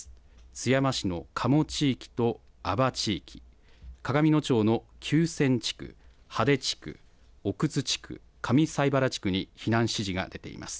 津山市の加茂地域と阿波地域、鏡野町の久泉地区、羽出地区、奥津地区、上齋原地区に避難指示が出ています。